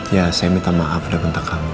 ya saya minta maaf udah bentak kamu